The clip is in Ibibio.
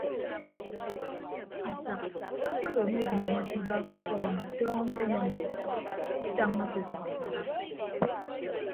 Asak akpedo ame adiọñọ se iba ke ufọk ami tọñọ ñkenyọñ ndi ukpu tañña se asʌk atañ odo.